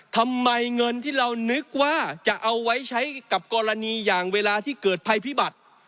ทำไมเงินที่เรานึกว่าจะเอาไว้ใช้กับกรณีอย่างเวลาที่เกิดภัยพิบัติ